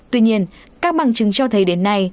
tuy nhiên các bằng chứng cho thấy đến nay